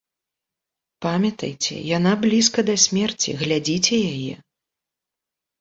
Памятайце, яна блізка да смерці, глядзіце яе.